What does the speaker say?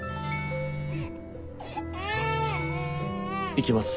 行きます。